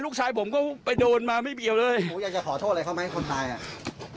ผมก็ไปโดนมาไม่เกี่ยวเลยผมอยากจะขอโทษอะไรเขาไหมคนตายอ่ะ